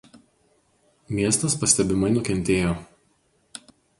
Miestas pastebimai nukentėjo.